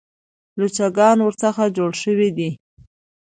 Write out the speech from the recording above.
لوچکان ورڅخه جوړ شوي دي.